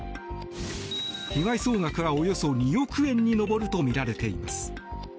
被害総額はおよそ２億円に上るとみられています。